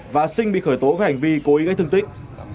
và sinh bị khởi tố về hành vi cố ý gây thương tích